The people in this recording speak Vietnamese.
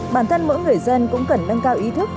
bản thân mỗi người dân cũng cần nâng cao ý thức